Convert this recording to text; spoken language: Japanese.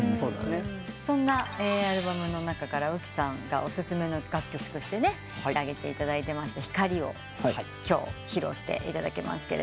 そんなアルバムの中からうきさんがお薦めの楽曲として挙げていただいてました『光』を今日披露していただきます。